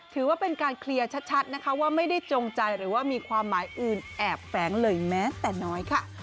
ถือว่าเป็นการเคลียร์ชัดนะคะว่าไม่ได้จงใจหรือว่ามีความหมายอื่นแอบแฝงเลยแม้แต่น้อยค่ะ